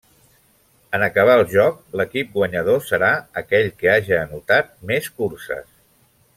En acabar el joc, l'equip guanyador serà aquell que haja anotat més curses.